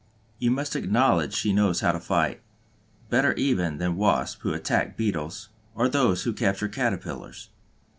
You must acknowledge she knows how to fight, better even than the Wasps who attack Beetles, or those who capture Caterpillars.